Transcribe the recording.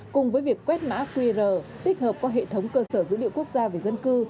cùng với việc quét mã qr tích hợp qua hệ thống cơ sở dữ liệu quốc gia về dân cư